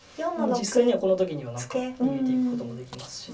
実際にはこの時には何か逃げていくこともできますし。